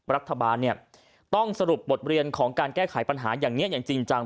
รัฐบาลต้องสรุปบทเรียนของการแก้ไขปัญหาอย่างนี้อย่างจริงจัง